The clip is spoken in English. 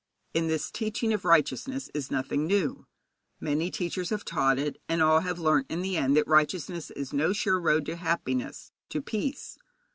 In this teaching of righteousness is nothing new. Many teachers have taught it, and all have learnt in the end that righteousness is no sure road to happiness, to peace.